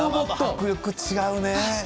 迫力が違うね。